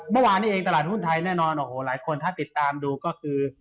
เมื่อวานนี้เองตลาดหุ้นไทยแน่นอนโอ้โหหลายคนถ้าติดตามดูก็คือ